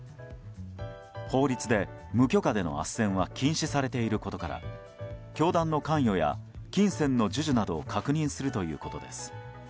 法律で無許可でのあっせんは禁止されていることから教団の関与や金銭の授受などを確認するということです。